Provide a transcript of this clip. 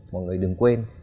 mọi người đừng quên